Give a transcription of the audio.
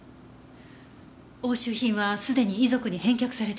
押収品はすでに遺族に返却されています。